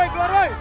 woi keluar woi